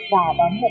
tại hà nội